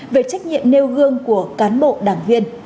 về trách nhiệm nêu gương của cán bộ đảng viên